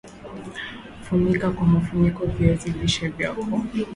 funika kwa mfuniko viazi lishe vyako